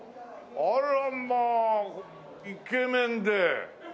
あらまイケメンで。